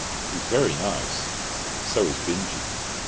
He's very nice. So is Binjie."